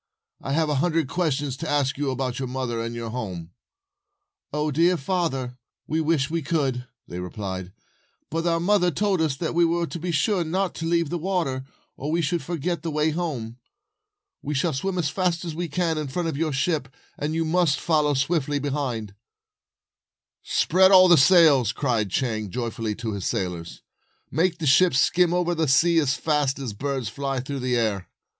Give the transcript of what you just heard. "I have a hundred questions to ask about your mother and your home. ,, "O father dear! We wish we could," they replied; "but our mother told us that we were to be sure not to leave the water, or we should forget the way home. We shall swim as fast as we can in front of your ship, and you must follow swiftly behind." "Spread all the sails," cried Chang, joyfully, to his sailors. " Make the ship skim over the sea as fast as a bird flies through the air."